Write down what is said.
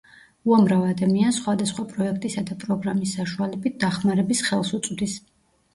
უამრავ ადამიანს სხვადასხვა პროექტისა და პროგრამის საშუალებით, დახმარების ხელს უწვდის.